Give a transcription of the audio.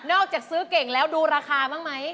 จากซื้อเก่งแล้วดูราคาบ้างไหม